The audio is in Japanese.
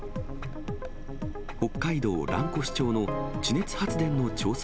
北海道蘭越町の地熱発電の調査